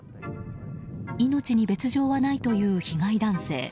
命に別条はないという被害男性。